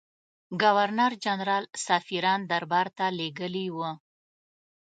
ګورنرجنرال سفیران دربارته لېږلي وه.